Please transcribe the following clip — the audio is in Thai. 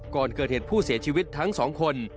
ก่อนเกิดเหตุผู้เสียชีวิตทั้งสองคน